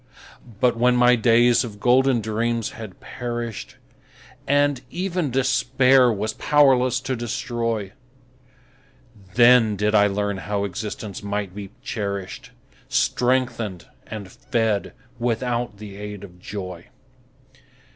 But when my days of golden dreams had perished, And even Despair was powerless to destroy, Then did I learn how existence might be cherished, Strengthened and fed without the aid of joy.